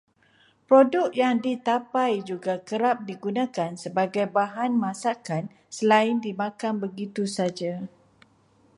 Produk yang ditapai juga kerap digunakan sebagai bahan masakan selain dimakan begitu sahaja.